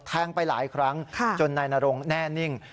ไปหลายครั้งจนนายนรงแน่นิ่ง